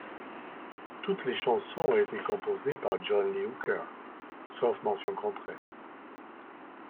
Toutes les chansons ont été composées par John Lee Hooker, sauf mention contraire.